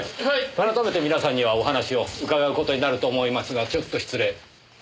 改めて皆さんにはお話を伺う事になると思いますがちょっと失礼。